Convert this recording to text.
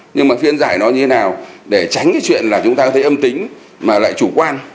nhưng mà phiên giải nó như thế nào để tránh cái chuyện là chúng ta có thể âm tính mà lại chủ quan